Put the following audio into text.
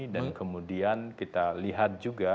dan kemudian kita lihat juga